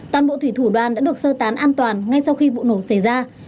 toàn bộ thủy thủ đoàn đã được sơ tán an toàn ngay sau khi vụ nổ xảy ra